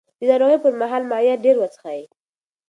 د ناروغۍ پر مهال مایعات ډېر وڅښئ.